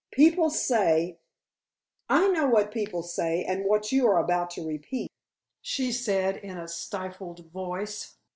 "People say " "I know what people say and what you are about to repeat," she said in a stifled voice.